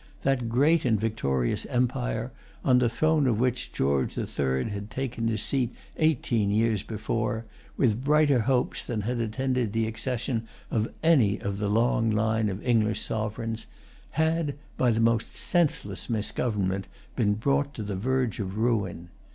That great and victorious empire, on the throne of which George the Third had taken his seat eighteen years before, with brighter hopes than had attended the accession of any of the long line of English sovereigns, had, by the most senseless misgovernment, been brought to the verge of ruin.